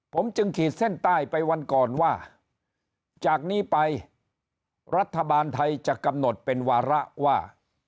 ผมจึงขีดเส้นใต้ไปวันก่อนว่าจากนี้ไปรัฐบาลไทยจะกำหนดเป็นวาระว่า